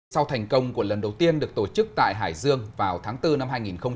sau thành công của lần đầu tiên được tổ chức tại hải dương vào tháng bốn năm hai nghìn hai mươi